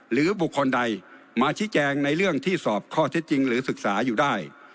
หรือบุคคลใดมาชี้แจงในเรื่องที่สอบข้อเท็จจริงหรือศึกษาอยู่ได้